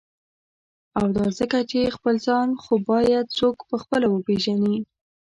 او دا ځکه چی » خپل ځان « خو باید څوک په خپله وپیژني.